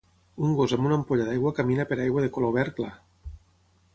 Un gos amb una ampolla d'aigua camina per aigua de color verd clar.